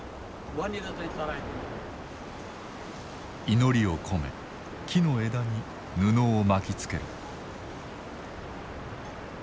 祈りを込め木の枝に布を巻きつける。